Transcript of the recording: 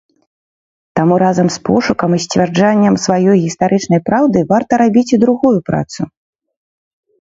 Таму разам з пошукам і сцверджаннем сваёй гістарычнай праўды варта рабіць і другую працу.